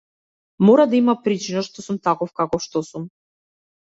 Мора да има причина што сум таков каков што сум.